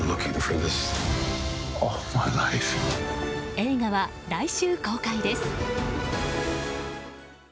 映画は来週公開です。